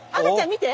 見て！